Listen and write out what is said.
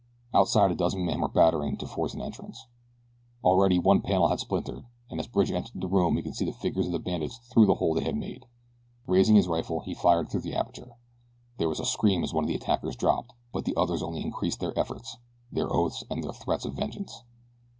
Outside a dozen men were battering to force an entrance. Already one panel had splintered, and as Bridge entered the room he could see the figures of the bandits through the hole they had made. Raising his rifle he fired through the aperture. There was a scream as one of the attackers dropped; but the others only increased their efforts, their oaths, and their threats of vengeance.